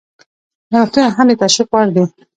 نوښتونه هم د تشویق وړ دي.